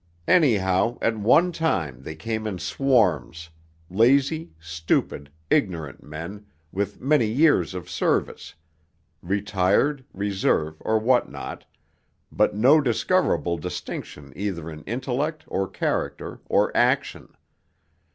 Anyhow, at one time they came in swarms, lazy, stupid, ignorant men, with many years of service retired, reserve, or what not but no discoverable distinction either in intellect, or character, or action.